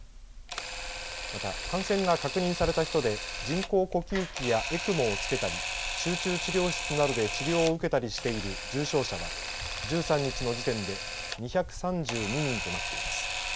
また感染が確認された人で人工呼吸器やＥＣＭＯをつけたり集中治療室などで治療を受けたりしている重症者は、１３日の時点で２３２人となっています。